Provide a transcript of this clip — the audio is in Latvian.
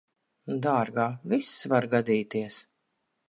Dārgā, viss var gadīties.